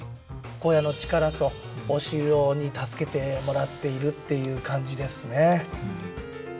小屋の力とお城に助けてもらっているっていう感じですね。